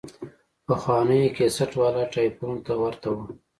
پخوانيو کسټ والا ټايپونو ته ورته وه.